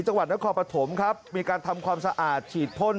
จังหวัดนครปฐมครับมีการทำความสะอาดฉีดพ่น